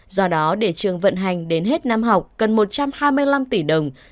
do đó để trường vận hành đến hết năm học cần một trăm hai mươi năm tỷ đồng